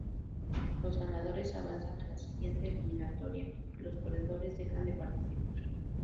Los ganadores avanzan a la siguiente eliminatoria y los perdedores dejan de participar.